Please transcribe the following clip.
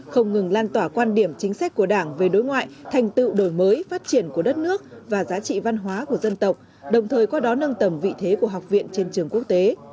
không ngừng lan tỏa quan điểm chính sách của đảng về đối ngoại thành tựu đổi mới phát triển của đất nước và giá trị văn hóa của dân tộc đồng thời qua đó nâng tầm vị thế của học viện trên trường quốc tế